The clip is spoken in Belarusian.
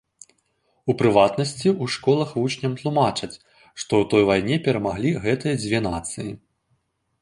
У прыватнасці, у школах вучням тлумачаць, што ў той вайне перамаглі гэтыя дзве нацыі.